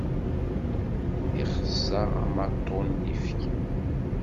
Exs-aɣ ammaṭu n ifki.